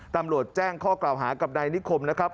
ตำรวจแจ้งข้อกล่าวหากับนายนิคมนะครับ